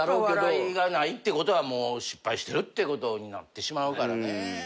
笑いがないってことは失敗してるってことになってしまうからね。